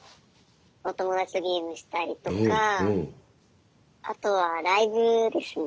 お友達とゲームしたりとかあとはライブですね。